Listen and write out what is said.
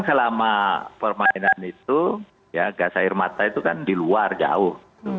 karena permainan itu gas air mata itu kan di luar jauh